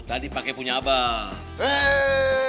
tadi pakai punya abang